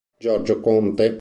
Giorgio Conte